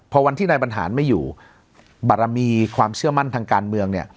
พอวันที่นายบรรหารไม่อยู่บารมีความเชื่อมั่นทางการเมืองเนี่ย